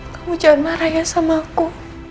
kamu jangan marah ya sama aku